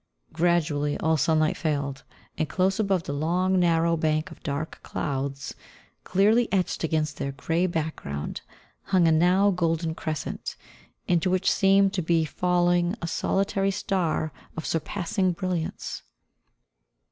Gradually all sunlight failed, and close above the long, narrow bank of dark clouds, clearly etched against their grey background, hung a now golden crescent, into which seemed to be falling a solitary star of surpassing brilliance.